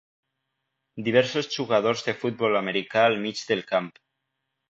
Diversos jugadors de futbol americà al mig del camp